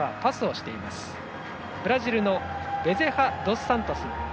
続いてブラジルのベゼハドスサントス。